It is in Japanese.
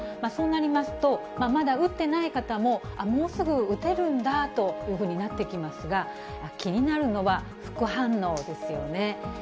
そうなりますと、まだ打ってない方も、もうすぐ打てるんだというふうになってきますが、気になるのは、副反応ですよね。